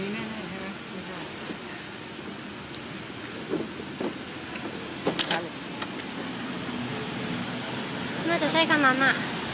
น่าจะใช่ค่ะนั้นอะ